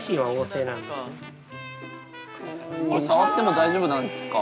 ◆さわっても大丈夫なんですか。